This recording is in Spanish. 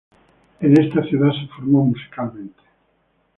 En esta ciudad se formó musicalmente.